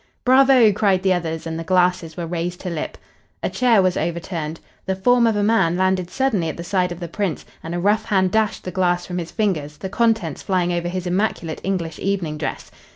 "Bravo!" cried the others, and the glasses were raised to lip. A chair was overturned. The form of a man landed suddenly at the side of the Prince and a rough hand dashed the glass from his fingers, the contents flying over his immaculate English evening dress.